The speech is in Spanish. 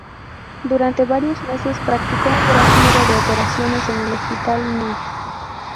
Durante varios meses, practicó un gran número de operaciones en el Hospital no.